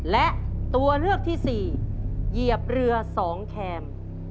และตัวเลือกที่๔เหยียบเรือ๒แคม